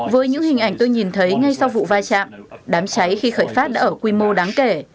với những hình ảnh tôi nhìn thấy ngay sau vụ va chạm đám cháy khi khởi phát đã ở quy mô đáng kể